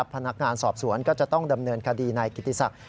พนักงานสอบสวนก็จะต้องดำเนินคดีนายกิติศักดิ